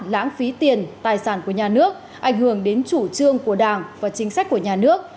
lãng phí tiền tài sản của nhà nước ảnh hưởng đến chủ trương của đảng và chính sách của nhà nước